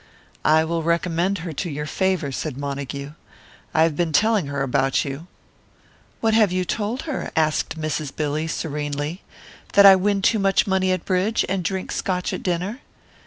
"I will recommend her to your favour," said Montague. "I have been telling her about you." "What have you told her?" asked Mrs. Billy, serenely, "that I win too much money at bridge, and drink Scotch at dinner?"